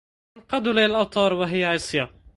تنقاد لي الأوتار وهي عصية